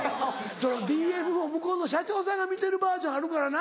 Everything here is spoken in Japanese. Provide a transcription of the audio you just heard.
そのＤＭを向こうの社長さんが見てるバージョンあるからな。